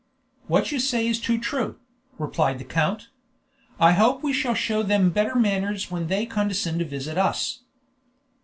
"What you say is too true," replied the count. "I hope we shall show them better manners when they condescend to visit us."